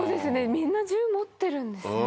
みんな銃持ってるんですね。